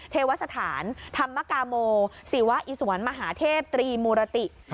เทวสถานธรรมกาโมศิวะอิสวนมหาเทพตรีมูรติ